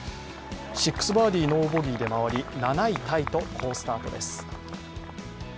６バーディー、ノーボギーで回り７位タイと好スタートです。